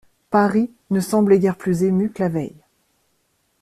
Paris ne semblait guère plus ému que la veille.